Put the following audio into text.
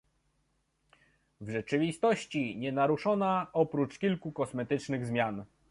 W rzeczywistości nienaruszona, oprócz kilku kosmetycznych zmian